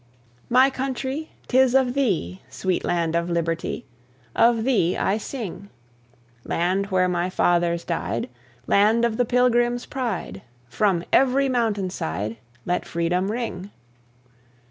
My country, 'tis of thee, Sweet land of liberty, Of thee I sing; Land where my fathers died, Land of the Pilgrims' pride; From every mountain side, Let freedom ring.